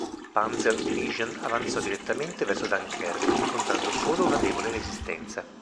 Panzer-Division avanzò direttamente verso Dunkerque, incontrando solo una debole resistenza.